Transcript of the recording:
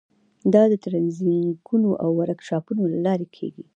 دا د ټریننګونو او ورکشاپونو له لارې کیږي.